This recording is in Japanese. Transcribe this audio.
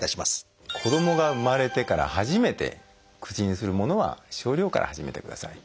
子どもが生まれてから初めて口にするものは少量から始めてください。